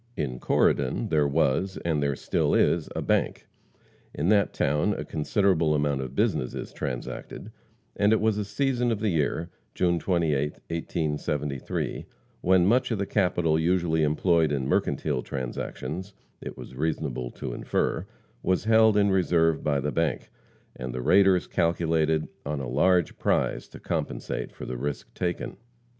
In Corydon there was, and there still is, a bank. In that town a considerable amount of business is transacted, and it was a season of the year June 28th, 1873 when much of the capital usually employed in mercantile transactions it was reasonable to infer was held in reserve by the bank, and the raiders calculated on a large prize to compensate for the risk taken.